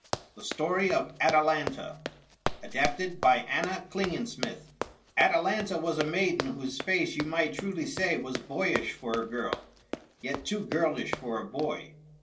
THE STORY OF ATALANTA ADAPTED BY ANNA KLINGENSMITH Atalanta was a maiden whose face you might truly say was boyish for a girl, yet too girlish for a boy.